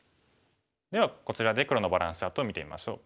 ではこちらで黒のバランスチャートを見てみましょう。